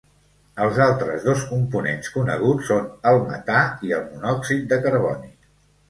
Els altres dos components coneguts són el metà i el monòxid de carboni.